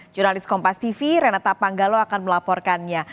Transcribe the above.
jurnalis kompas tv renata panggalo akan melaporkannya